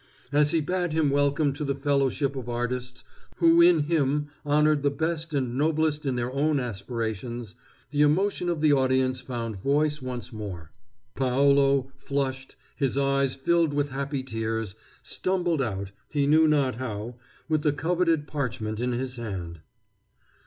As he bade him welcome to the fellowship of artists who in him honored the best and noblest in their own aspirations, the emotion of the audience found voice once more. Paolo, flushed, his eyes filled with happy tears, stumbled out, he knew not how, with the coveted parchment in his hand.